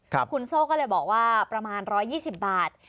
คุณโซ่ก็เลยบอกว่าประมาณ๑๒๐บาท